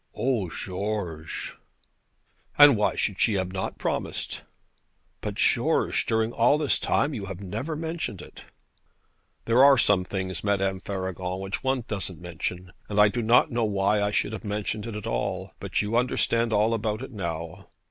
'O, George!' 'And why should she not have promised?' 'But, George; during all this time you have never mentioned it.' 'There are some things, Madame Faragon, which one doesn't mention. And I do not know why I should have mentioned it at all. But you understand all about it now.